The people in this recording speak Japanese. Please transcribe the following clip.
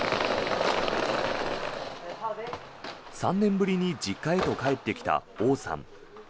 ３年ぶりに実家へと帰ってきたオウさん。